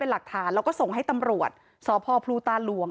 แล้วก็ส่งให้ตำรวจสพพลูตาหลวง